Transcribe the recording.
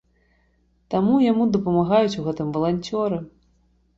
Таму яму дапамагаюць у гэтым валанцёры.